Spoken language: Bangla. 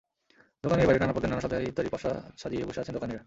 দোকানের বাইরে নানা পদের, নানা স্বাদের ইফতারির পসরা সাজিয়ে বসে আছেন দোকানিরা।